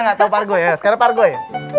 nadi ga tau pargoi ya sekarang pargoi